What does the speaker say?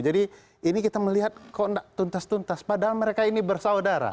jadi ini kita melihat tuntas tuntas padahal mereka ini bersaudara